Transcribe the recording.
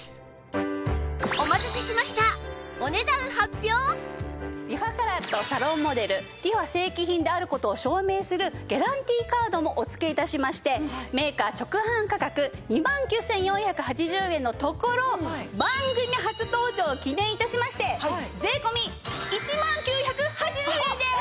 お待たせしましたリファカラットサロンモデルリファ正規品である事を証明するギャランティーカードもお付け致しましてメーカー直販価格２万９４８０円のところ番組初登場を記念致しまして税込１万９８０円です！